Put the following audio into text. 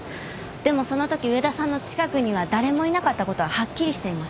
でもそのとき上田さんの近くには誰もいなかったことははっきりしています。